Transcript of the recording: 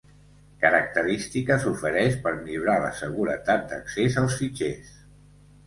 Característiques ofereix per millorar la seguretat d'accés als fitxers.